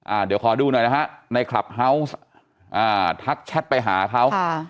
เดี๋ยวขอดูหน่อยนะฮะในคลับเฮาส์อ่าทักแชทไปหาเขาค่ะ